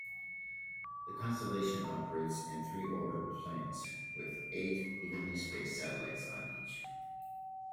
The constellation operates in three orbital planes, with eight evenly spaced satellites on each.